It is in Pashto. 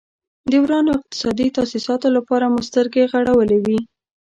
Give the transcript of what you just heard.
د ورانو اقتصادي تاسیساتو لپاره مو سترګې غړولې وې.